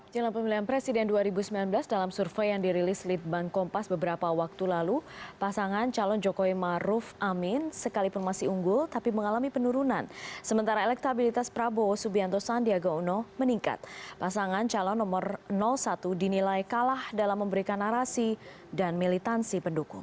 jangan lupa like share dan subscribe channel ini